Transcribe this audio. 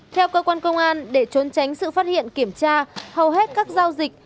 theo cơ quan công an để trốn tránh sự phát hiện kiểm tra hầu hết các giao dịch